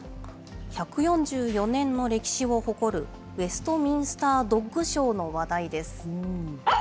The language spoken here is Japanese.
１４４年の歴史を誇るウェストミンスター・ドッグショーの話題です。